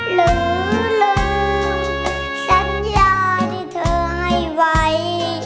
หรือลืมสัญญาที่เธอให้ไว้